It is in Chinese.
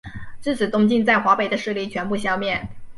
至此东晋在华北的势力全部消灭。